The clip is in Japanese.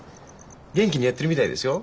元気にやってるみたいですよ。